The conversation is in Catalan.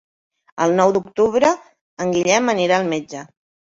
El nou d'octubre en Guillem anirà al metge.